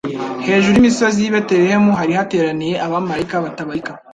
Hejuru y'imisozi y'i Betelehemu hari hateraniye Abamarayika batabarika.